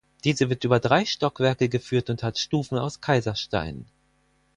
Diese wird über drei Stockwerke geführt und hat Stufen aus Kaiserstein.